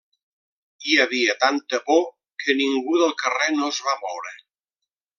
Hi havia tanta por que ningú del carrer no es va moure.